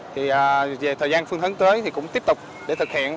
thì về thời gian phương hướng tới thì cũng tiếp tục để thực hiện